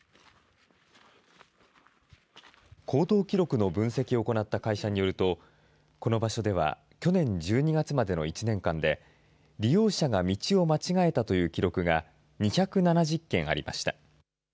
行動記録の分析を行った会社によると、この場所では、去年１２月までの１年間で、利用者が道を間違えたという記録が、２７０件ありました。